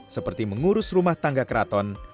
seperti mengurus rumah tangga keraton